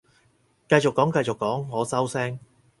繼續講繼續講，我收聲